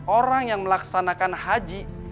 orang yang melaksanakan haji